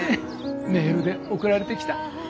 メールで送られてきた。